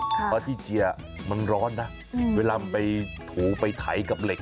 เพราะที่เจียมันร้อนนะเวลามันไปถูไปไถกับเหล็ก